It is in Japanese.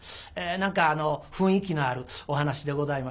何か雰囲気のあるお噺でございまして。